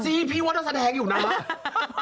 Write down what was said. พี่ว่าเราแสดงอยู่นะ